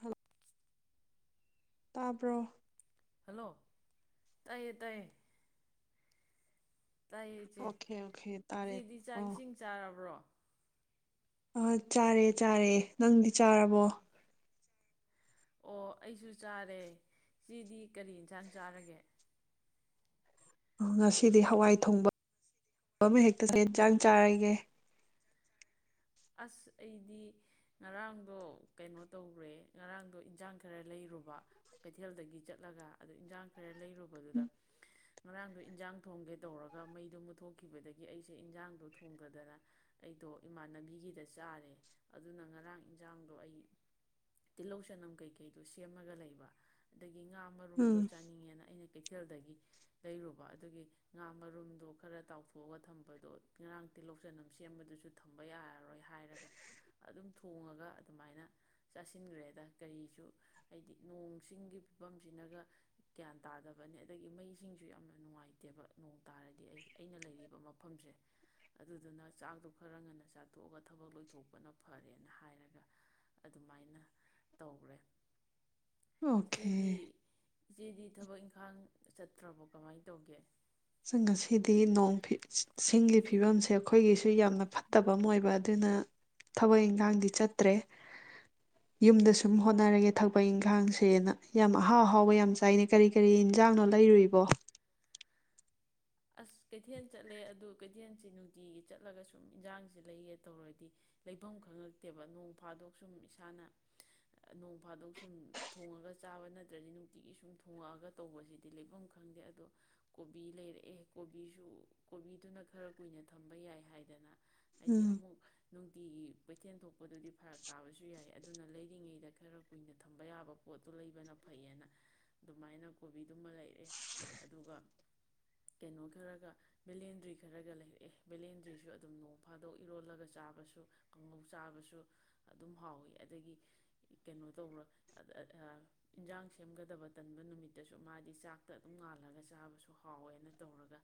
ꯍ ꯇꯥꯕ꯭ꯔꯣ? ꯍꯜꯂꯣ ꯇꯥꯏꯌꯦ ꯇꯥꯏꯌꯦ꯫ ꯇꯥꯏꯌꯦ ꯢꯆꯦ ꯑꯣꯀꯦ ꯑꯣꯀꯦ ꯇꯥꯔꯦ ꯏꯆꯦꯗꯤ ꯆꯥꯛ ꯑꯣ ꯏꯁꯤꯡ ꯆꯥꯔꯕ꯭ꯔꯣ? ꯑ ꯆꯥꯔꯦ ꯆꯥꯔꯦ ꯅꯪꯗꯤ ꯆꯥꯔꯕꯣ? ꯑꯣ ꯑꯩꯁꯨ ꯆꯥꯔꯦ ꯢꯆꯦꯗꯤ ꯀꯔꯤ ꯢꯟꯁꯥꯡ ꯆꯥꯔꯒꯦ? ꯉꯁꯤꯗꯤ ꯍꯋꯥꯏ ꯊꯣꯡꯕ ꯑꯃ ꯍꯦꯛꯇ [unintelligible] ꯌꯦꯟ ꯆꯥꯡ ꯆꯥꯔꯒꯦ? ꯑꯁ ꯑꯩꯗꯤ ꯉꯔꯥꯡꯗꯣ ꯀꯩꯅꯣ ꯇꯧꯔꯦ ꯉꯔꯥꯡꯗꯣ ꯏꯟꯖꯥꯡ ꯈꯔ ꯂꯩꯔꯨꯕ ꯀꯩꯊꯦꯜꯗꯒꯤ ꯆꯠꯂꯒ ꯑꯗꯨ ꯏꯟꯖꯥꯡ ꯈꯔ ꯂꯩꯔꯨꯕꯗꯨꯗ ꯉꯔꯥꯡꯗꯣ ꯏꯟꯖꯥꯡ ꯊꯣꯡꯒꯦ ꯇꯧꯔꯒ ꯃꯩꯗꯣ ꯃꯨꯠꯊꯣꯛꯈꯤꯕꯗꯒꯤ ꯑꯩꯁꯦ ꯏꯟꯖꯥꯡꯗꯣ ꯊꯣꯡꯗꯗꯅ ꯑꯩꯗꯣ ꯏꯃꯥꯟꯅꯕꯤ ꯒꯤꯗ ꯆꯥꯔꯦ ꯑꯗꯨꯅ ꯉꯔꯥꯡ ꯢꯟꯖꯥꯡꯗꯣ ꯑꯩ ꯇꯤꯜꯂꯧ ꯆꯅꯝ ꯀꯩꯀꯩꯗꯣ ꯁꯦꯝꯃꯒ ꯂꯩꯕ ꯑꯗꯩ ꯒꯤ ꯉꯥ ꯎꯝ ꯃꯔꯨꯝꯗꯣ ꯆꯥꯅꯤꯡꯉꯦꯅ ꯑꯩꯅ ꯀꯩꯊꯦꯜꯗꯒꯤ ꯂꯩꯔꯨꯕ ꯑꯗꯨꯒꯤ ꯉꯥ ꯃꯔꯨꯝꯗꯣ ꯈꯔ ꯇꯥꯎꯊꯣꯛꯑꯒ ꯊꯝꯕꯗꯣ ꯉꯔꯥꯡ ꯇꯤꯜꯂꯧ ꯆꯅꯝ ꯁꯦꯝꯕꯗꯨꯁꯨ ꯊꯝꯕ ꯌꯥꯔꯔꯣꯏ꯫ ꯍꯥꯏꯔꯒ ꯑꯗꯨꯝ ꯊꯣꯡꯉꯒ ꯑꯗꯨꯃꯥꯏꯅ ꯆꯥꯁꯤꯟꯒ꯭ꯔꯦꯗ ꯀꯔꯤꯁꯨ ꯍꯥꯏꯗꯤ ꯅꯣꯡꯁꯤꯡꯒꯤꯡꯒꯤ ꯐꯤꯕꯝꯁꯤꯅꯒ ꯒ꯭ꯌꯥꯟ ꯇꯥꯗꯕꯅꯦ ꯑꯗꯒꯤ ꯃꯩ ꯢꯁꯤꯡꯁꯨ ꯌꯥꯝꯅ ꯅꯨꯡꯉꯥꯏꯇꯦꯕ ꯅꯣꯡ ꯇꯥꯔꯗꯤ ꯑꯩ ꯑꯩꯅ ꯂꯩꯔꯤꯕ ꯃꯐꯝꯁꯦ ꯑꯗꯨꯗꯨꯅ ꯆꯥꯛꯇꯣ ꯈꯔ ꯉꯟꯅ ꯆꯥꯊꯣꯛꯑꯒ ꯊꯕꯛ ꯂꯣꯏꯊꯣꯛꯄꯅ ꯐꯔꯦꯅ ꯍꯥꯏꯔꯒ ꯑꯗꯨꯃꯥꯏꯅ ꯇꯧꯔꯦ꯫ ꯑꯣꯀꯦ꯫ ꯏꯆꯦꯗꯤ ꯊꯕꯛ ꯏꯪꯈꯥꯡ ꯆꯠꯇ꯭ꯔꯕꯣ ꯀꯃꯥꯏ ꯇꯧꯒꯦ? [unintelligible] ꯉꯁꯤꯗꯤ ꯅꯣꯡ ꯐꯤꯠ ꯁꯤ ꯁꯤꯡꯒꯤ ꯐꯤꯕꯝꯁꯦ ꯑꯩꯈꯣꯏꯒꯤꯁꯨ ꯌꯥꯝꯅ ꯐꯠꯇꯕ ꯑꯃ ꯑꯣꯏꯕ ꯑꯗꯨꯅ ꯊꯕꯛ ꯏꯟꯈꯥꯡꯗꯤ ꯆꯠꯇ꯭ꯔꯦ ꯌꯨꯝꯗ ꯁꯨꯝ ꯍꯣꯠꯅꯔꯒꯦ ꯊꯕꯛ ꯏꯟꯈꯥꯡꯁꯦꯅ ꯌꯥꯝ ꯑꯍꯥꯎ ꯑꯍꯥꯎꯕ ꯌꯥꯝ ꯆꯥꯏꯅꯩ ꯀꯔꯤ ꯀꯔꯤ ꯏꯟꯖꯥꯡꯅꯣ ꯂꯩꯔꯨꯏꯕꯣ ꯑꯁ ꯀꯩꯊꯦꯜ ꯆꯠꯂꯦ ꯑꯗꯨ ꯀꯩꯊꯦꯜꯁꯤ ꯅꯨꯡꯇꯤꯒꯤ ꯆꯠꯂꯒ ꯁꯨꯝ ꯏꯟꯖꯥꯡꯖꯦ ꯂꯩꯒꯦ ꯇꯧꯔꯗꯤ ꯂꯩꯕꯝ ꯈꯪꯉꯛꯇꯦꯕ ꯅꯣꯡ ꯐꯥꯗꯣꯛ ꯁꯨꯝ ꯏꯁꯥꯅ ꯑ ꯅꯣꯡ ꯐꯥꯗꯣꯛ ꯁꯨꯝ ꯊꯣꯡꯉꯒ ꯆꯥꯕ ꯅꯠꯇ꯭ꯔꯗꯤ ꯅꯨꯡꯇꯤꯒꯤ ꯁꯨꯝ ꯊꯣꯡꯉꯛꯑꯒ ꯇꯧꯕꯖꯤꯗꯤ ꯂꯩꯕꯝ ꯈꯪꯗꯦ ꯑꯗꯣ ꯀꯣꯕꯤ ꯂꯩꯔꯛꯑꯦ꯫ ꯀꯣꯕꯤꯁꯨ ꯀꯣꯕꯤꯗꯨꯅ ꯈꯔ ꯀꯨꯏꯅ ꯊꯝꯕ ꯌꯥꯏ ꯍꯥꯏꯗꯅꯥ꯫ ꯑꯩꯗꯤ ꯎꯝ ꯑꯃꯨꯛ ꯅꯨꯡꯇꯤꯒꯤ ꯀꯩꯊꯦꯜ ꯊꯣꯛꯄꯗꯨꯗꯤ ꯐꯔꯛ ꯇꯥꯕꯁꯨ ꯌꯥꯏ ꯑꯗꯨꯅ ꯂꯩꯔꯤꯉꯩꯗ ꯈꯔ ꯀꯨꯏꯅ ꯊꯝꯕ ꯌꯥꯕ ꯄꯣꯠꯇꯨ ꯂꯩꯕꯅ ꯐꯩꯌꯦꯅ ꯑꯗꯨꯃꯥꯏꯅ ꯀꯣꯕꯤꯗꯨꯃ ꯂꯩꯔꯛꯑꯦ ꯑꯗꯨꯒ ꯀꯩꯅꯣ ꯈꯔꯒ ꯕꯦꯂꯦꯟꯗ꯭ꯔꯤ ꯈꯔꯒ ꯂꯩꯔꯛꯑꯦ ꯕꯦꯂꯦꯟꯗ꯭ꯔꯤꯁꯨ ꯑꯗꯨꯝ ꯅꯣꯡ ꯐꯥꯗꯣꯛ ꯏꯔꯣꯜꯂꯒ ꯆꯥꯕꯁꯨ ꯀꯥꯡꯉꯧ ꯆꯥꯕꯁꯨ ꯑꯗꯨꯝ ꯍꯥꯎꯋꯤ ꯑꯗꯒꯤ ꯀꯩꯅꯣ ꯇꯧꯕ꯭ꯔꯣ [unintelligible] ꯏꯟꯖꯥꯡ ꯁꯦꯝꯒꯗꯕ ꯇꯟꯕ ꯅꯨꯃꯤꯠꯇꯁꯨ ꯃꯥꯗꯤ ꯆꯥꯛꯇ ꯑꯗꯨꯝ ꯉꯥꯜꯂꯒ ꯆꯥꯕꯁꯨ ꯍꯥꯎꯋꯦꯅ꯫ ꯇꯧꯔꯒ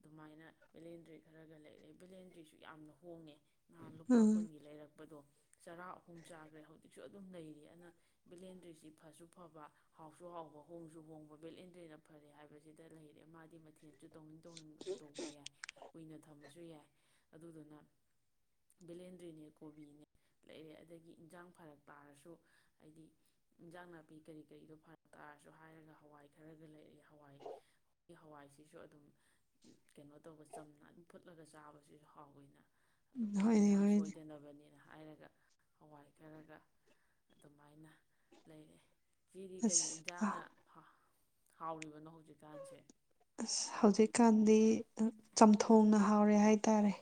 ꯑꯗꯨꯃꯥꯏꯅ ꯚꯦꯂꯦꯟꯗ꯭ꯔꯤ ꯈꯔꯒ ꯂꯩꯔꯦ ꯚꯦꯂꯦꯟꯗ꯭ꯔꯤꯁꯨ ꯌꯥꯝꯅ ꯍꯣꯡꯉꯦ ꯅꯍꯥꯟ ꯂꯨꯄꯥ ꯎꯝ ꯀꯨꯟꯒꯤ ꯂꯩꯔꯛꯄꯗꯣ ꯆꯔꯥ ꯑꯍꯨꯝ ꯆꯥꯈ꯭ꯔꯦ ꯍꯧꯖꯤꯛꯁꯨ ꯑꯗꯨꯝ ꯂꯩꯔꯤ ꯑꯗꯨꯅ ꯕꯦꯂꯦꯟꯗ꯭ꯔꯤꯁꯤ ꯐꯁꯨ ꯐꯕ ꯍꯥꯎꯁꯨ ꯍꯥꯎꯕ ꯍꯣꯡꯁꯨ ꯍꯣꯡꯕ ꯕꯦꯂꯦꯟꯗ꯭ꯔꯔꯤꯅ ꯐꯔꯦ ꯍꯥꯏꯕꯁꯤꯗ ꯂꯩꯔꯦ ꯃꯥꯗꯤ ꯁꯨ ꯇꯧꯅꯤꯡ ꯇꯧꯅꯤꯡꯕꯁꯨ ꯇꯧꯕ ꯌꯥꯏ ꯀꯨꯏꯅ ꯊꯃꯁꯨ ꯌꯥꯏ ꯑꯗꯨꯗꯨꯅ ꯚꯦꯂꯦꯟꯗ꯭ꯔꯤꯅꯦ ꯀꯣꯕꯤꯅꯦ ꯂꯩꯔꯦ ꯑꯗꯒꯤ ꯏꯟꯖꯥꯡ ꯐꯔꯛ ꯇꯥꯔꯁꯨ ꯍꯥꯏꯗꯤ ꯏꯟꯖꯥꯡ ꯅꯥꯄꯤ ꯀꯔꯤ ꯀꯔꯤꯗꯣ ꯐꯔꯛ ꯇꯥꯔꯁꯨ ꯍꯥꯏꯔꯒ ꯍꯋꯥꯏ ꯈꯔꯒ ꯂꯩꯔꯦ ꯍꯋꯥꯏ ꯍꯋꯥꯏ ꯁꯤꯁꯨ ꯑꯗꯨꯝ ꯀꯩꯅꯣ ꯇꯧꯕ ꯆꯝꯅ ꯑꯗꯨꯝ ꯐꯨꯠꯂꯒ ꯆꯥꯕꯁꯤꯁꯨ ꯍꯥꯎꯋꯤꯅ ꯑꯗꯨꯝ ꯍꯣꯏꯅꯦ ꯏꯟꯁꯥꯡ ꯍꯣꯏꯅꯦ ꯁꯣꯏꯗꯅꯕꯅꯤꯅ ꯍꯥꯏꯔꯒ ꯍꯋꯥꯏ ꯈꯔꯒ ꯑꯗꯨꯃꯥꯏꯅ ꯂꯩꯔꯦ ꯆꯤꯗꯤ ꯀꯔꯤ ꯑꯁ ꯌꯦꯟꯁꯥꯡꯅ ꯍꯥꯎꯔꯤꯕꯅꯣ ꯍꯧꯖꯤꯛꯀꯥꯟꯁꯦ ꯑꯁ ꯍꯧꯖꯤꯛꯀꯥꯟꯗꯤ ꯆꯝꯊꯣꯡꯅ ꯍꯥꯎꯔꯦ ꯍꯥꯏꯇꯥꯔꯦ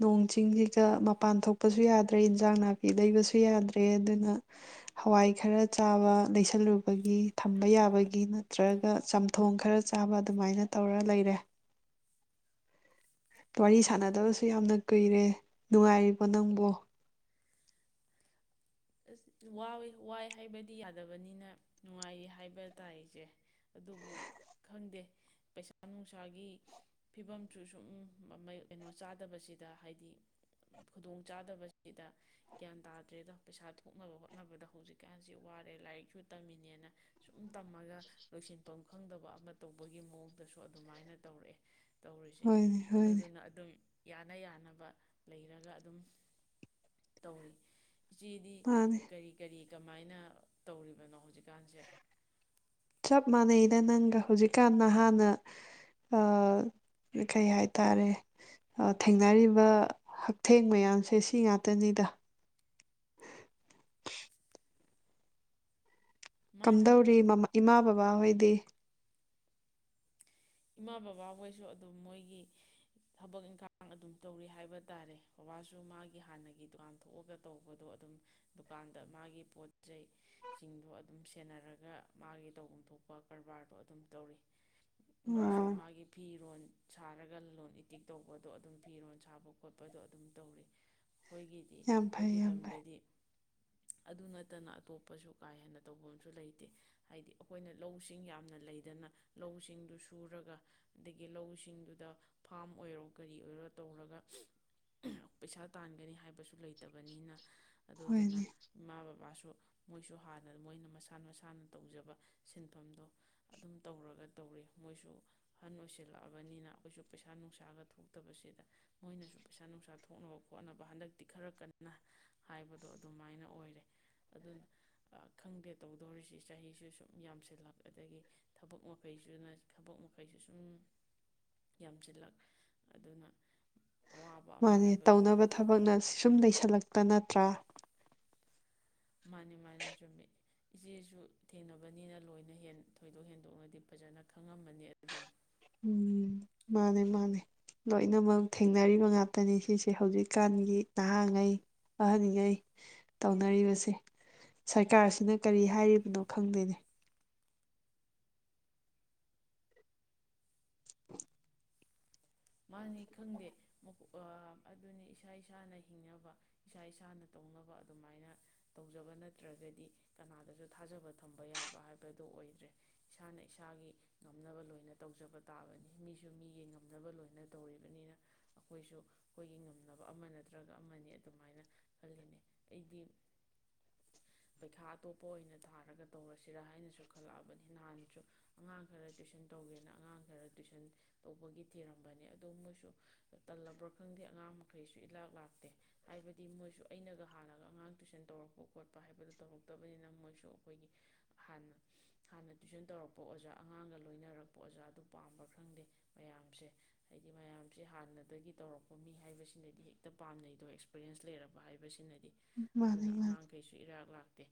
ꯅꯣꯡ ꯆꯤꯡꯁꯤꯒ ꯃꯄꯥꯟ ꯊꯣꯛꯄꯁꯨ ꯌꯥꯗ꯭ꯔꯦ ꯏꯟꯖꯥꯡ ꯅꯥꯄꯤ ꯂꯩꯕꯁꯨ ꯌꯥꯗ꯭ꯔꯦ ꯑꯗꯨꯅ ꯍꯋꯥꯏ ꯈꯔ ꯆꯥꯕ ꯂꯩꯁꯜꯂꯨꯕꯒꯤ ꯊꯝꯕ ꯌꯥꯕꯒꯤ ꯅꯠꯇ꯭ꯔꯒ ꯆꯝꯊꯣꯡ ꯈꯔ ꯆꯥꯕ ꯑꯗꯨꯃꯥꯏꯅ ꯇꯧꯔ ꯂꯩꯔꯦ ꯋꯥꯔꯤ ꯁꯥꯟꯅꯗꯕꯁꯨ ꯌꯥꯝꯅ ꯀꯨꯏꯔꯦ ꯅꯨꯡꯉꯥꯏꯔꯤꯕꯣ ꯅꯪꯕꯨꯣ ꯑꯁ ꯋꯥꯏꯦ ꯋꯥꯏ ꯍꯥꯏꯕꯗꯤ ꯌꯥꯗꯕꯅꯤꯅ ꯅꯨꯡꯉꯥꯏꯌꯦ ꯍꯥꯏꯕ ꯇꯥꯥꯏꯁꯦ ꯑꯗꯨꯕꯨ ꯈꯪꯗꯦ ꯄꯩꯁꯥ ꯅꯨꯡꯁꯥꯒꯤ ꯐꯤꯕꯝꯁꯨ ꯁꯨꯝ ꯀꯩꯅꯣ ꯆꯥꯗꯕꯁꯤꯗ ꯍꯥꯏꯗꯤ ꯈꯨꯗꯣꯡ ꯆꯥꯗꯕꯁꯤꯗ ꯒ꯭ꯌꯥꯟ ꯇꯥꯗ꯭ꯔꯦꯗꯣ ꯄꯩꯁꯥ ꯊꯣꯛꯅꯕ ꯍꯣꯠꯅꯕꯗ ꯍꯧꯖꯤꯛꯀꯥꯟꯁꯤ ꯋꯥꯔꯦ ꯂꯥꯏꯔꯤꯛꯁꯨ ꯇꯝꯃꯤꯅꯦꯅ ꯁꯨꯝ ꯇꯝꯃꯒ ꯂꯣꯏꯁꯤꯟꯐꯝ ꯈꯪꯗꯕ ꯑꯃ ꯇꯧꯕꯒꯤ ꯃꯑꯣꯡꯗꯁꯨ ꯑꯗꯨꯃꯥꯏꯅ ꯇꯧꯔꯛꯑꯦ ꯇꯧꯔꯤꯁꯦ ꯍꯣꯏꯅꯦ ꯍꯣꯏꯅꯦ ꯑꯗꯨꯗꯨꯅ ꯑꯗꯨꯝ ꯌꯥꯅ ꯌꯥꯅꯕ ꯂꯩꯔꯒ ꯑꯗꯨꯝ ꯇꯧꯔꯤ ꯆꯦꯗꯤ ꯃꯥꯅꯦ ꯀꯔꯤ ꯀꯔꯤ ꯀꯃꯥꯏꯅ ꯇꯧꯔꯤꯕꯅꯣ ꯍꯧꯖꯤꯛ ꯆꯞ ꯃꯥꯅꯩ ꯅꯪꯒ ꯍꯧꯖꯤꯛꯀꯥꯟꯗ ꯍꯥꯟꯅ ꯀꯩ ꯍꯥꯏꯇꯥꯔꯦ ꯊꯦꯡꯅꯔꯤꯕ ꯍꯛꯊꯦꯡ ꯃꯌꯥꯝꯁꯦ ꯁꯤ ꯉꯥꯛꯇꯅꯤꯗ ꯃꯥꯅꯤ ꯑꯗꯨ ꯀꯝꯗꯧꯔꯤ ꯃ ꯏꯃꯥ ꯕꯕꯥꯍꯣꯏꯗꯤ [inaudible] ꯏꯃꯥ ꯕꯕꯥꯍꯣꯏꯁꯨ ꯑꯗꯨꯝ ꯃꯣꯏꯒꯤ ꯊꯕꯛ ꯏꯪꯈꯥꯡ ꯑꯗꯨꯝ ꯇꯧꯔꯤ ꯍꯥꯏꯕ ꯇꯥꯔꯦ ꯕꯕꯥꯁꯨ ꯃꯥꯒꯤ ꯍꯥꯟꯅꯒꯤ ꯗꯨꯀꯥꯟ ꯊꯣꯛꯑꯒ ꯇꯧꯕꯗꯣ ꯑꯗꯨꯝ ꯗꯨꯀꯥꯟꯗ ꯃꯥꯒꯤ ꯄꯣꯠꯁꯤꯡꯗꯣ ꯑꯗꯨꯝ ꯁꯦꯟꯅꯔꯒ ꯃꯥꯒꯤ ꯇꯧꯐꯝ ꯊꯣꯛꯄ ꯀꯔꯕꯥꯔꯗꯣ ꯑꯗꯨꯝ ꯇꯧꯔꯤ ꯃꯥꯁꯨ ꯑꯣ ꯃꯥꯒꯤ ꯐꯤꯔꯣꯜ ꯁꯥꯔꯒ ꯂꯣ ꯏꯇꯤꯛ ꯇꯧꯕꯗꯣ ꯑꯗꯨꯝ ꯐꯤꯔꯣꯜ ꯁꯥꯕ ꯈꯣꯠꯄꯗꯣ ꯑꯗꯨꯝ ꯇꯧꯔꯤ ꯑꯩꯈꯣꯏꯒꯤꯗꯤ ꯌꯥꯝ ꯐꯩ ꯑꯩꯈꯣꯏꯒꯤ ꯌꯥꯝ ꯐꯩ ꯂꯝꯗꯗꯤ ꯑꯗꯨ ꯅꯠꯇꯅ ꯑꯇꯣꯞꯄꯁꯨ ꯀꯥ ꯍꯦꯟꯅ ꯇꯧꯐꯝꯁꯨ ꯂꯩꯇꯦ ꯍꯥꯏꯗꯤ ꯑꯩꯈꯣꯏꯅ ꯂꯧꯁꯤꯡ ꯌꯥꯝꯅ ꯂꯩꯗꯅ ꯂꯧꯁꯤꯡꯗꯨꯁꯨ ꯁꯨꯔꯒ ꯑꯗꯒꯤ ꯂꯧꯁꯤꯡꯗꯨꯗ ꯐꯥꯝ ꯑꯣꯏꯔꯣ ꯀꯔꯤ ꯑꯣꯏꯔꯣ ꯇꯧꯔꯒ ꯄꯩꯁꯥ ꯇꯥꯟꯒꯅꯤ ꯍꯥꯏꯕꯁꯨ ꯂꯩꯇꯕꯅꯤꯅ ꯑꯗꯨꯗꯨꯅ ꯍꯣꯏꯅꯦ ꯏꯃꯥ ꯕꯕꯥꯁꯨ ꯃꯣꯏꯁꯨ ꯍꯥꯟꯅ ꯃꯣꯏꯅ ꯃꯁꯥꯅ ꯃꯁꯥꯅ ꯇꯧꯖꯕ ꯁꯤꯟꯐꯝꯗꯣ ꯑꯗꯨꯝ ꯇꯧꯔꯒ ꯇꯧꯔꯤ ꯃꯣꯏꯁꯨ ꯑꯍꯟ ꯑꯣꯏꯁꯤꯜꯂꯛꯑꯕꯅꯤꯅ ꯑꯩꯈꯣꯏꯁꯨ ꯄꯩꯁꯥ ꯅꯨꯡꯁꯥꯒ ꯊꯣꯛꯇꯕꯁꯤꯗ ꯃꯣꯏꯅꯁꯨ ꯄꯩꯁꯥ ꯅꯨꯡꯁꯥ ꯊꯣꯛꯅꯕ ꯈꯣꯠꯅꯕ ꯍꯟꯗꯛꯇꯤ ꯈꯔ ꯀꯟꯅ ꯍꯥꯏꯕꯗꯣ ꯑꯗꯨꯃꯥꯏꯅ ꯑꯣꯏꯔꯦ ꯑꯗꯨꯅ ꯈꯪꯗꯦ ꯇꯧꯗꯣꯔꯤꯁꯤ ꯆꯍꯤꯁꯨ ꯁꯨꯝ ꯌꯥꯝꯁꯤꯜꯂꯛ ꯑꯗꯒꯤ ꯊꯕꯛ ꯃꯈꯩꯁꯤꯅ ꯊꯕꯛ ꯃꯈꯩꯁꯨ ꯁꯨꯝ ꯌꯥꯝꯁꯤꯜꯂꯛ ꯑꯗꯨꯅ ꯑꯋꯥꯕ ꯑꯃ ꯃꯥꯅꯦ ꯍꯥꯏꯕꯗꯨ ꯑꯣꯏꯔꯦ ꯇꯧꯅꯕ ꯊꯕꯛꯅ ꯁꯨꯝ ꯂꯩꯁꯜꯂꯛꯇꯅ ꯇ꯭ꯔꯥ ꯃꯥꯅꯦ ꯃꯥꯅꯦ ꯆꯨꯝꯃꯤ ꯏꯆꯦꯁꯨ ꯊꯦꯡꯅꯕꯅꯤꯅ ꯂꯣꯏꯅ ꯊꯣꯏꯗꯣꯛ ꯍꯦꯟꯗꯣꯛꯅꯗꯤ ꯐꯖꯅ ꯈꯪꯉꯝꯃꯅꯤ ꯑꯗꯨꯝ ꯎꯝ ꯃꯥꯅꯦ ꯃꯥꯅꯦ ꯂꯣꯏꯅꯃꯛ ꯊꯦꯡꯅꯔꯤꯕ ꯉꯥꯛꯇꯅꯤ ꯁꯤꯁꯦ ꯍꯧꯖꯤꯛꯀꯥꯟꯒꯤ ꯅꯍꯥꯉꯩ ꯑꯍꯟꯉꯩ ꯇꯧꯅꯔꯤꯕꯁꯦ ꯁꯔꯀꯥꯔꯁꯤꯅ ꯀꯔꯤ ꯍꯥꯏꯔꯤꯕꯅꯣ ꯈꯪꯗꯦꯅꯦ [inaudible] ꯃꯥꯅꯤ ꯈꯪꯗꯦ ꯑꯗꯨꯅꯤ ꯏꯁꯥ ꯏꯁꯥꯅ ꯍꯤꯡꯅꯕ ꯏꯁꯥ ꯏꯁꯥꯅ ꯇꯧꯅꯕ ꯑꯗꯨꯃꯥꯏꯅ ꯇꯧꯖꯕ ꯅꯠꯇ꯭ꯔꯒꯗꯤ ꯀꯅꯥꯗꯁꯨ ꯊꯥꯖꯕ ꯊꯝꯕ ꯌꯥꯕ ꯍꯥꯏꯕꯗꯨ ꯑꯣꯏꯗ꯭ꯔꯦ ꯏꯁꯥꯅ ꯏꯁꯥꯒꯤ ꯉꯝꯅꯕ ꯂꯣꯏꯅ ꯇꯧꯖꯕ ꯇꯥꯕꯅꯤ ꯃꯤꯁꯨ ꯃꯤꯒꯤ ꯉꯝꯅꯕ ꯂꯣꯏꯅ ꯇꯧꯔꯤꯕꯅꯤꯅ ꯑꯩꯈꯣꯏꯁꯨ ꯑꯩꯈꯣꯏꯒꯤ ꯉꯝꯅꯕ ꯑꯃ ꯅꯠꯇ꯭ꯔꯒ ꯑꯃꯅꯤ ꯑꯗꯨꯃꯥꯏꯅ ꯈꯜꯂꯤꯅꯦ ꯑꯩꯗꯤ ꯄꯩꯈꯥ ꯑꯇꯣꯞꯄ ꯑꯣꯏꯅ ꯊꯥꯔꯒ ꯇꯧꯔꯁꯤꯔꯥ ꯍꯥꯏꯅꯁꯨ ꯈꯜꯂꯛꯑꯕꯅꯤ ꯅꯍꯥꯟꯁꯨ ꯑꯉꯥꯡ ꯈꯔ ꯇꯨꯏꯁꯟ ꯇꯧꯒꯦꯅ ꯑꯉꯥꯡ ꯈꯔ ꯇꯨꯏꯁꯟ ꯇꯧꯕꯒꯤ ꯊꯤꯔ ꯇꯝꯕꯅꯦ ꯑꯗꯨ ꯃꯣꯏꯁꯨ ꯇꯜꯂꯕ꯭ꯔꯥ ꯈꯪꯗꯦ ꯑꯉꯥꯡ ꯃꯈꯩꯁꯨ ꯏꯂꯥꯛ ꯂꯥꯛꯇꯦ ꯍꯥꯏꯕꯗꯤ ꯃꯣꯏꯁꯨ ꯑꯩꯅꯒ ꯍꯥꯟꯅꯒ ꯑꯉꯥꯡ ꯇꯨꯏꯁꯟ ꯇꯧꯔꯛꯄ ꯈꯣꯠꯄ ꯍꯥꯏꯕꯗꯨ ꯇꯧꯔꯛꯇꯕꯅꯤꯅ ꯃꯣꯏꯁꯨ ꯑꯩꯈꯣꯏꯒꯤ ꯍꯥꯟꯅ ꯍꯥꯟꯅ ꯇꯨꯏꯁꯟ ꯇꯧꯔꯛꯄ ꯑꯣꯖꯥ ꯑꯉꯥꯡꯒ ꯂꯣꯏꯅꯔꯛꯄ ꯑꯣꯖꯥꯗꯨ ꯄꯥꯝꯕ꯭ꯔꯥ ꯈꯪꯗꯦ ꯃꯌꯥꯝꯁꯦ ꯍꯥꯏꯗꯤ ꯃꯌꯥꯝꯁꯦ ꯍꯥꯟꯅꯗꯒꯤ ꯇꯧꯔꯛꯄ ꯃꯤ ꯍꯥꯏꯕꯁꯤꯅꯗꯤ ꯍꯦꯛꯇ ꯄꯥꯝꯅꯩꯗꯣ ꯑꯦꯛꯁꯄꯔꯤꯟꯁ ꯂꯩꯔꯕ ꯍꯥꯏꯕꯁꯤꯅꯗꯤ ꯃꯥꯅꯦ ꯑꯗꯨꯅ ꯃꯥꯅꯦ ꯑꯉꯥꯡꯈꯩꯁꯨ ꯏꯔꯥꯛ ꯂꯥꯛ ꯅꯠꯇꯦ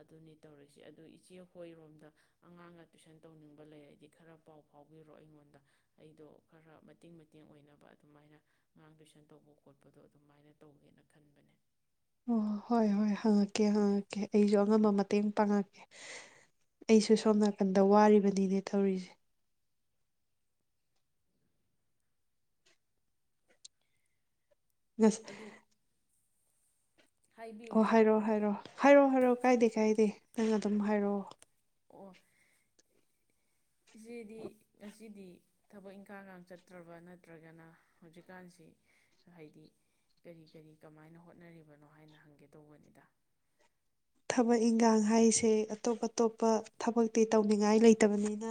ꯑꯗꯨꯅꯤ ꯇꯧꯔꯤꯛꯏꯁꯦ ꯑꯗꯨ ꯏꯆꯦ ꯍꯣꯏꯔꯣꯝꯗ ꯑꯉꯥꯡꯒ ꯇꯨꯏꯁꯟ ꯇꯧꯅꯤꯡꯕ ꯂꯩꯔꯗꯤ ꯈꯔ ꯄꯥꯎ ꯐꯥꯎꯕꯤꯔꯣ ꯑꯩꯉꯣꯟꯗ ꯑꯩꯗꯣ ꯈꯔ ꯃꯇꯦꯡ ꯃꯇꯦꯡ ꯑꯣꯏꯅꯕ ꯑꯗꯨꯃꯥꯏꯅ ꯑꯉꯥꯡ ꯇꯨꯏꯁꯟ ꯇꯧꯕ ꯈꯣꯠꯄꯗꯣ ꯑꯗꯨꯃꯥꯏꯅ ꯇꯧꯒꯦꯅ ꯈꯟꯕꯅꯦ ꯑꯣ ꯍꯣꯏ ꯍꯣꯏ ꯍꯪꯉꯛꯀꯦ ꯍꯪꯉꯛꯀꯦ ꯑꯩꯁꯨ ꯑꯉꯝꯕ ꯃꯇꯦꯡ ꯄꯥꯡꯉꯛꯀꯦ ꯑꯩꯁꯨ ꯁꯣꯝ ꯅꯥꯀꯟꯗ ꯋꯥꯔꯤꯕꯅꯤꯅꯦ ꯇꯧꯔꯤꯁꯦ ꯑꯗꯨ [unintelligible] ꯍꯥꯏꯕꯤꯌꯨ ꯑꯣ ꯏꯆꯦ ꯍꯥꯏꯔꯣꯑꯣ ꯍꯥꯏꯔꯣꯑꯣ ꯍꯥꯏꯔꯛꯑꯣ ꯍꯥꯏꯔꯛꯑꯣ ꯀꯥꯏꯗꯦ ꯀꯥꯏꯗꯦ ꯅꯪ ꯑꯗꯨꯝ ꯍꯥꯏꯔꯛꯑꯣ ꯑꯣ ꯏꯆꯦꯗꯤ ꯉꯁꯤꯗꯤ ꯊꯕꯛ ꯏꯪꯈꯥꯡꯒ ꯆꯠꯇ꯭ꯔꯕ ꯅꯠꯇ꯭ꯔꯒꯅ ꯍꯧꯖꯤꯛꯀꯥꯟꯁꯤ ꯍꯥꯏꯗꯤ ꯀꯔꯤ ꯀꯔꯤ ꯀꯃꯥꯏꯅ ꯍꯣꯠꯅꯔꯤꯕꯅꯣ ꯍꯥꯏꯅ ꯍꯪꯒꯦ ꯇꯧꯕꯅꯤꯗ ꯊꯕꯛ ꯏꯟꯈꯥꯡ ꯍꯥꯏꯁꯦ ꯑꯇꯣꯞ ꯑꯇꯣꯞꯄ ꯊꯕꯛꯇꯤ ꯇꯧꯅꯤꯡꯉꯥꯏ ꯂꯩꯇꯕꯅꯤꯅ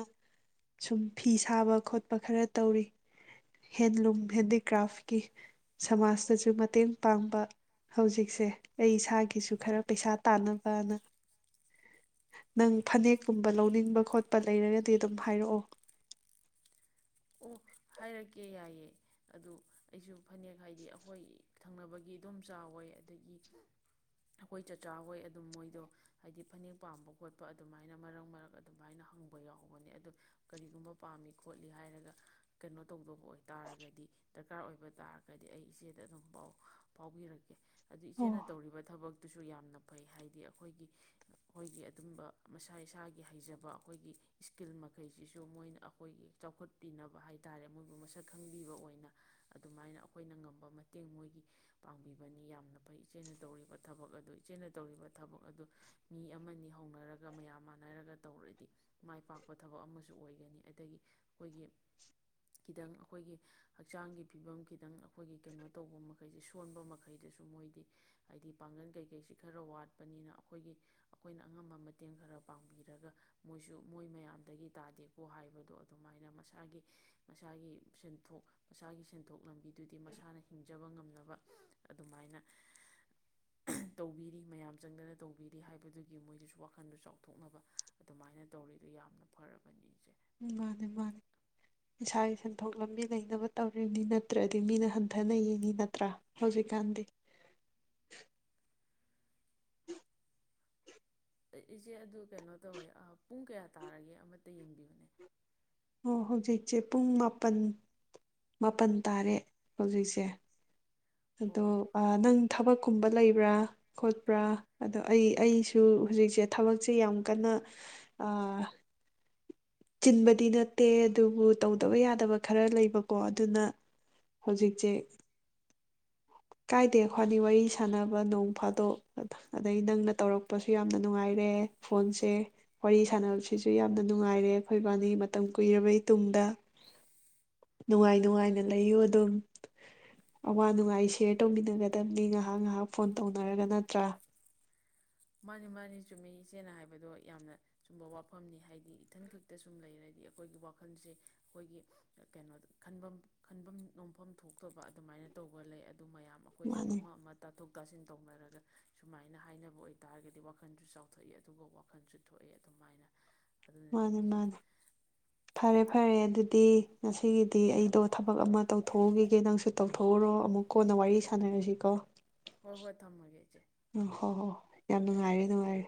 ꯁꯨꯝ ꯐꯤ ꯁꯥꯕ ꯈꯣꯠꯄ ꯈꯔ ꯇꯧꯔꯤ ꯍꯦꯟꯂꯨꯝ ꯍꯦꯟꯗꯤꯀ꯭ꯔꯥꯐꯀꯤ ꯁꯃꯥꯖꯇꯁꯨ ꯃꯇꯦꯡ ꯄꯥꯡꯕ ꯍꯧꯖꯤꯛꯁꯦ ꯑꯩ ꯏꯁꯥꯒꯤꯁꯨ ꯈꯔ ꯄꯩꯁꯥ ꯇꯥꯅꯕꯅ ꯅꯪ ꯐꯅꯦꯛꯀꯨꯝꯕ ꯂꯧꯅꯤꯡꯕ ꯈꯣꯠꯄ ꯂꯩꯔꯒꯗꯤ ꯑꯗꯨꯝ ꯍꯥꯏꯔꯛꯑꯣ ꯑꯣ ꯍꯥꯏꯔꯛꯀꯦ ꯌꯥꯏꯌꯦꯦ ꯑꯗꯨ ꯑꯩꯁꯨ ꯐꯅꯦꯛ ꯍꯥꯏꯗꯤ ꯑꯩꯈꯣꯏ ꯊꯪꯅꯕꯒꯤ ꯑꯗꯨꯝ ꯆꯥꯎꯋꯦ ꯑꯗꯒꯤ ꯑꯩꯈꯣꯏ ꯆꯆꯥ ꯍꯣꯏ ꯑꯗꯨꯝ ꯃꯣꯏꯗꯣ ꯍꯥꯏꯗꯤ ꯐꯅꯦꯛ ꯄꯥꯝꯕ ꯈꯣꯠꯄ ꯑꯗꯨꯃꯥꯏꯅ ꯃꯔꯛ ꯃꯔꯛ ꯑꯗꯨꯃꯥꯏꯅ ꯍꯪꯕ ꯌꯥꯎꯕꯅꯦ ꯑꯗꯨ ꯀꯔꯤꯒꯨꯝꯕ ꯄꯥꯝꯃꯤ ꯈꯣꯠꯂꯤ ꯍꯥꯏꯔꯒ ꯀꯩꯅꯣ ꯇꯧꯗꯣ ꯑꯣꯏꯇꯥꯔꯒꯗꯤ ꯗꯔꯀꯥꯔ ꯑꯣꯏꯕ ꯇꯥꯔꯒꯗꯤ ꯑꯩ ꯏꯆꯦꯗ ꯑꯗꯨꯝ ꯄꯥꯎ ꯐꯥꯎꯕꯤꯔꯛꯀꯦ ꯑꯣꯀꯦ ꯑꯗꯨ ꯑꯣ ꯏꯆꯦꯅ ꯇꯧꯔꯤꯕ ꯊꯕꯛ ꯑꯗꯨꯨꯁꯨ ꯌꯥꯝꯅ ꯐꯩ ꯍꯥꯏꯗꯤ ꯑꯩꯈꯣꯏꯒꯤ ꯑꯩꯈꯣꯏꯒꯤ ꯑꯗꯨꯝꯕ ꯃꯁꯥ ꯏꯁꯥꯒꯤ ꯍꯩꯖꯕ ꯑꯩꯈꯣꯏꯒꯤ ꯏꯁꯀꯤꯜ ꯃꯈꯩꯁꯤꯁꯨ ꯃꯣꯏꯅ ꯑꯩꯈꯣꯏꯒꯤ ꯆꯥꯎꯈꯠ ꯇꯤꯟꯅꯕ ꯍꯥꯏ ꯇꯇꯥꯔꯦ ꯃꯣꯏꯕꯨ ꯃꯁꯛ ꯈꯪꯕꯤꯕ ꯑꯣꯏꯅ ꯑꯗꯨꯃꯥꯏꯅ ꯑꯩꯈꯣꯏꯅ ꯉꯝꯕ ꯃꯇꯦꯡ ꯃꯣꯏꯒꯤ ꯄꯥꯡꯕꯤꯕꯅꯤ ꯌꯥꯝꯅ ꯐꯩ ꯏꯆꯦꯅ ꯇꯧꯔꯤꯕ ꯊꯕꯛ ꯑꯗꯨ ꯏꯆꯦꯅ ꯇꯧꯔꯤꯕ ꯊꯕꯛ ꯑꯗꯨ ꯃꯤ ꯑꯃꯅꯤ ꯍꯧꯅꯔꯒ ꯃꯌꯥꯝ ꯃꯥꯟꯅꯔꯒ ꯇꯧꯔꯗꯤ ꯃꯥꯏ ꯄꯥꯛꯄ ꯊꯕꯛ ꯑꯃꯁꯨ ꯑꯣꯏꯒꯅꯤ ꯑꯗꯒꯤ ꯈꯤꯇꯪ ꯑꯩꯈꯣꯏꯒꯤ ꯍꯛꯆꯥꯡꯒꯤ ꯐꯤꯕꯝ ꯈꯤꯇꯪ ꯑꯩꯈꯣꯏꯒꯤ ꯀꯩꯅꯣ ꯇꯧꯕ ꯃꯈꯩꯁꯦ ꯁꯣꯟꯕ ꯃꯈꯩꯗꯁꯨ ꯃꯣꯏꯗꯤ ꯍꯥꯏꯗꯤ ꯄꯥꯡꯒꯜ ꯀꯩꯀꯩꯁꯤ ꯈꯔ ꯋꯥꯠꯄꯅꯤꯅ ꯑꯩꯈꯣꯏꯒꯤ ꯑꯩꯈꯣꯏꯅ ꯑꯉꯝꯕ ꯃꯇꯦꯡ ꯈꯔ ꯄꯥꯡꯕꯤꯔꯒ ꯃꯣꯏꯁꯨ ꯃꯣꯏ ꯃꯌꯥꯝꯗꯒꯤ ꯇꯥꯗꯦꯀꯣ ꯍꯥꯏꯕꯗꯣ ꯑꯗꯨꯝ ꯑꯗꯨꯃꯥꯏꯅ ꯃꯁꯥꯒꯤ ꯃꯁꯥꯒꯤ ꯁꯦꯟꯊꯣꯛ ꯃꯁꯥꯒꯤ ꯁꯦꯟꯊꯣꯛ ꯂꯝꯕꯤꯗꯨꯗꯤ ꯃꯁꯥꯅ ꯍꯤꯡꯖꯕ ꯉꯝꯅꯕ ꯑꯗꯨꯃꯥꯏꯅ ꯇꯧꯕꯤꯔꯤ ꯃꯌꯥꯝ ꯆꯪꯗꯅ ꯇꯧꯕꯤꯔꯤ ꯍꯥꯏꯕꯗꯨꯒꯤ ꯃꯣꯏꯗꯨꯁꯨ ꯋꯥꯈꯟꯗ ꯆꯥꯎꯊꯣꯛꯅꯕ ꯑꯗꯨꯃꯥꯏꯅ ꯇꯧꯔꯤꯗꯨ ꯌꯥꯝꯅ ꯐꯔꯕꯅꯤ ꯎ ꯃꯥꯅꯦ ꯃꯥꯅꯤ ꯏꯁꯥꯒꯤ ꯁꯦꯟꯊꯣꯛ ꯂꯝꯕꯤ ꯂꯩꯅꯕ ꯇꯧꯔꯤꯕꯅꯤ ꯅꯠꯇ꯭ꯔꯗꯤ ꯃꯤꯅ ꯍꯟꯊꯅ ꯌꯦꯡꯉꯤ ꯅꯠꯇ꯭ꯔꯥ ꯍꯧꯖꯤꯛꯀꯥꯟꯗꯤ ꯏꯆꯦ ꯑꯗꯨ ꯀꯩꯅꯣ ꯇꯧꯋꯦ ꯄꯨꯡ ꯀꯌꯥ ꯇꯥꯔꯒꯦ ꯑꯃꯠꯇ ꯌꯦꯡꯕꯤꯕꯅꯦ ꯑꯣ ꯍꯧꯖꯤꯛꯁꯦ ꯄꯨꯡ ꯃꯥꯄꯜ ꯃꯥꯄꯜ ꯇꯥꯔꯦ ꯍꯧꯖꯤꯛꯁꯦ ꯑꯗꯣ ꯑꯣ ꯑꯣ ꯅꯪ ꯊꯕꯛ ꯀꯨꯝꯕ ꯂꯩꯕ꯭ꯔꯥ ꯈꯣꯠꯄ꯭ꯔꯥ ꯑꯣ ꯑꯗꯣ ꯑꯩ ꯑꯩꯁꯨ ꯍꯧꯖꯤꯛꯁꯦ ꯊꯕꯛꯁꯦ ꯌꯥꯝ ꯀꯟꯅ ꯆꯤꯟꯕꯗꯤ ꯅꯠꯇꯦ ꯑꯗꯨꯕꯨ ꯇꯧꯗꯕ ꯌꯥꯗꯕ ꯈꯔ ꯂꯩꯕꯀꯣ ꯑꯗꯨꯅ ꯍꯧꯖꯤꯛꯁꯦ ꯀꯥꯏꯗꯦ ꯈ꯭ꯅꯤ ꯋꯥꯔꯤ ꯁꯥꯟꯅꯕ ꯅꯣꯡ ꯐꯥꯗꯣꯛ ꯑꯗꯩ ꯅꯪꯅ ꯇꯧꯔꯛꯄꯁꯨ ꯌꯥꯝꯅ ꯅꯨꯡꯉꯥꯏꯔꯦ ꯐꯣꯟꯁꯦ ꯋꯥꯔꯤ ꯁꯥꯟꯅꯕꯁꯤꯁꯨ ꯌꯥꯝꯅ ꯅꯨꯡꯉꯥꯏꯔꯦ ꯑꯩꯈꯣꯏ ꯏꯕꯥꯅꯤ ꯃꯇꯝ ꯀꯨꯏꯔꯕꯩ ꯇꯨꯡꯗ ꯅꯨꯡꯉꯥꯏ ꯅꯨꯡꯉꯥꯏꯅ ꯂꯩꯌꯨ ꯑꯗꯨꯝ ꯑꯋꯥ ꯅꯨꯡꯉꯥꯏꯁꯦ ꯁꯤꯌꯔ ꯇꯧꯃꯤꯟꯅꯒꯗꯕꯅꯤ ꯉꯥꯏꯍꯥꯛ ꯉꯥꯏꯍꯥꯛ ꯐꯣꯟ ꯇꯧꯅꯔꯒ ꯅꯠꯇ꯭ꯔꯥ ꯃꯥꯅꯤ ꯃꯥꯅꯤ ꯆꯨꯝꯃꯤ ꯏꯆꯦꯅ ꯍꯥꯏꯕꯗꯣ ꯌꯥꯝꯅ ꯆꯨꯝꯕ ꯋꯥꯐꯝꯅꯤ ꯍꯥꯏꯗꯤ ꯏꯊꯟ ꯈꯛꯇ ꯁꯨꯝ ꯂꯩꯔꯗꯤ ꯑꯩꯈꯣꯏꯒꯤ ꯋꯥꯈꯜꯁꯦ ꯑꯩꯈꯣꯏꯒꯤ ꯀꯩꯅꯣꯗ ꯈꯟꯐꯝ ꯈꯟꯐꯝ ꯅꯣꯝꯐꯝ ꯊꯣꯛꯇꯕ ꯑꯗꯨꯃꯥꯏꯅ ꯇꯧꯕ ꯂꯩ ꯑꯗꯨ ꯃꯌꯥꯝ ꯑꯩꯈꯣꯏ ꯁꯨꯝ ꯃꯥꯅꯤ ꯑꯃ ꯇꯥꯊꯣꯛ ꯇꯥꯁꯤꯟ ꯇꯧꯅꯔꯒ ꯁꯨꯃꯥꯏꯅ ꯍꯥꯏꯅꯕ ꯑꯣꯏ ꯇꯥꯔꯒꯗꯤ ꯋꯥꯈꯜꯁꯨ ꯆꯥꯎꯊꯣꯛꯏ ꯑꯗꯨꯒ ꯋꯥꯈꯜꯁꯨ ꯊꯣꯛꯑꯦ ꯑꯗꯨꯃꯥꯏꯅ ꯑꯗꯨꯅꯅꯤ ꯃꯥꯅꯤ ꯏꯆꯦ ꯃꯥꯅꯤ ꯐꯔꯦ ꯐꯔꯦ ꯑꯗꯨꯗꯤ ꯗ ꯉꯁꯤꯒꯤꯗꯤ ꯑꯩꯗꯣ ꯊꯕꯛ ꯑꯃ ꯇꯧꯊꯣꯛꯎꯈꯤꯒꯦ ꯅꯪꯁꯨ ꯇꯧꯊꯣꯛꯎꯔꯣ ꯑꯃꯨꯛ ꯀꯣꯟꯅ ꯋꯥꯔꯤ ꯁꯥꯟꯅꯔꯁꯤꯀꯣ ꯍꯣꯏ ꯍꯣꯏ ꯊꯝꯃꯒꯦ ꯏꯆꯦ ꯎ ꯍꯣ ꯍꯣ ꯌꯥꯝ ꯅꯨꯡꯉꯥꯏꯔꯦ ꯅꯨꯡꯉꯥꯏꯔꯦ